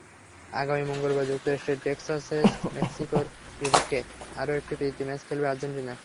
আগামী মঙ্গলবার যুক্তরাষ্ট্রের টেক্সাসে মেক্সিকোর বিপক্ষে আরও একটি প্রীতি ম্যাচ খেলবে আর্জেন্টিনা।